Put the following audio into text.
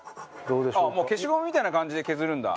消しゴムみたいな感じで削るんだ。